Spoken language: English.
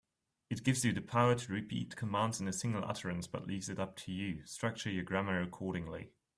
It gives you the power to repeat commands in a single utterance, but leaves it up to you structure your grammar accordingly.